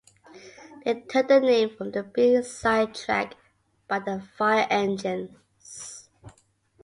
They took their name from a B-side track by The Fire Engines.